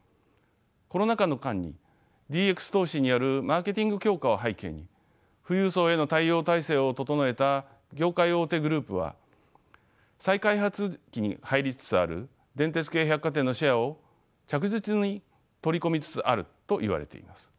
コロナ禍の間にＤＸ投資によるマーケティング強化を背景に富裕層への対応体制を整えた業界大手グループは再開発期に入りつつある電鉄系百貨店のシェアを着実に取り込みつつあるといわれています。